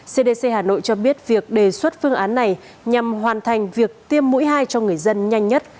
cdc hà nội cho biết việc đề xuất phương án này nhằm hoàn thành việc tiêm mũi hai cho người dân nhanh nhất